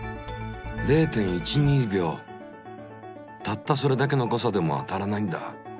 たったそれだけの誤差でも当たらないんだ。